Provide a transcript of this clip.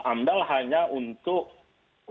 amdal hanya untuk sekelompok